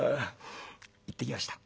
行ってきました」。